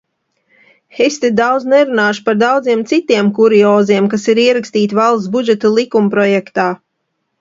Es te daudz nerunāšu par daudziem citiem kurioziem, kas ir ierakstīti valsts budžeta likumprojektā.